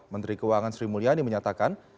menteri keuangan sri mulyani menyatakan